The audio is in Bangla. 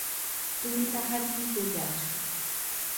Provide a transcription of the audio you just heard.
তুমি তাহার কী করিয়াছ।